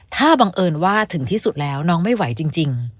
ถ้าบังเอิญว่าถึงที่สุดแล้วน้องไม่ไหวจริง